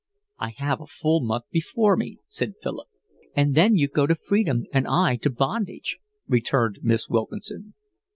"I have a full month before me," said Philip. "And then you go to freedom and I to bondage," returned Miss Wilkinson.